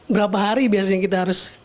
berapa hari biasanya kita harus